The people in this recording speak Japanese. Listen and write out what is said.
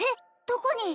どこに？